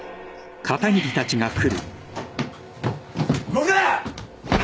動くな！